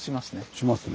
しますね。